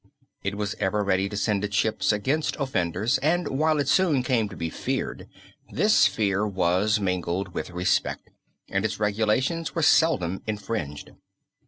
It was ever ready to send its ships against offenders and while it soon came to be feared, this fear was mingled with respect, and its regulations were seldom infringed.